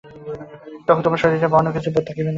তখন তোমার শরীরের বা অন্য কিছুর বোধ থাকিবে না।